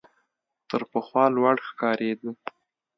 تر پخوا لوړ ښکارېده .